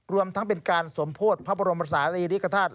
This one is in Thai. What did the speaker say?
รวมทั้งเป็นการส่วมโพธิ์พระบรมศาสตร์เรียนรีจารย์ธาตุ